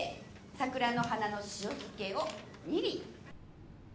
桜の花の塩漬けを２輪。